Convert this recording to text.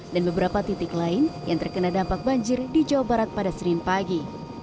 dan beberapa titik lain yang terkena dampak banjir di jawa barat pada senin pagi